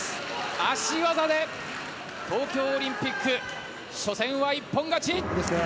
足技で東京オリンピック初戦は一本勝ち。